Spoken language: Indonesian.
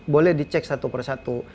boleh dicek satu persatu